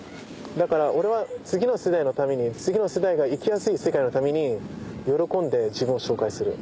だから俺は次の世代のために次の世代が生きやすい世界のために喜んで自分を紹介する。